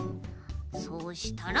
そうしたら。